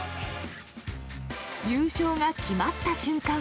優勝が決まった瞬間